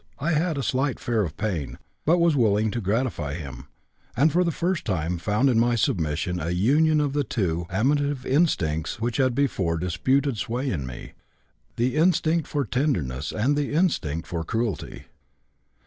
I had a slight fear of pain, but was willing to gratify him, and for the first time found in my submission a union of the two amative instincts which had before disputed sway in me: the instinct for tenderness and the instinct for cruelty.